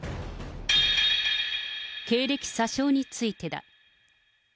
経歴詐称についてだ。